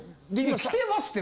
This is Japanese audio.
きてますって。